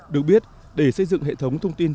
được biết để xây dựng hệ thống thông tin